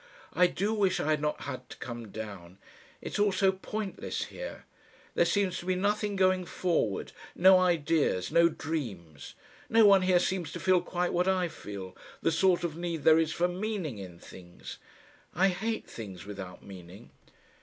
"I do wish I had not had to come down. It's all so pointless here. There seems to be nothing going forward, no ideas, no dreams. No one here seems to feel quite what I feel, the sort of need there is for MEANING in things. I hate things without meaning."